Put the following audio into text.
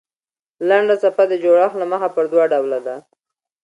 لنډه څپه د جوړښت له مخه پر دوه ډوله ده.